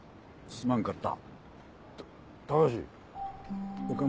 すまんかった。